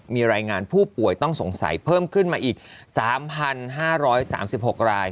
มีรายงานผู้ป่วยต้องสงสัยเพิ่มขึ้นมาอีก๓๕๓๖ราย